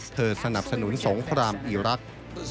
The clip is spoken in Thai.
เธอสนับสนุนสงครามอิรัตร